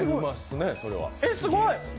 すごい。